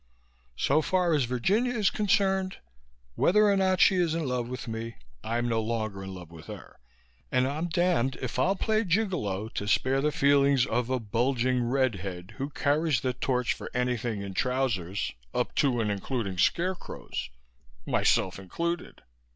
So far as Virginia is concerned, whether or not she is in love with me, I'm no longer in love with her and I'm damned if I'll play gigolo to spare the feelings of a bulging red head who carries the torch for anything in trousers, up to and including scarecrows myself included."